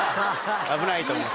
危ないと思って。